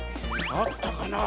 あったかな？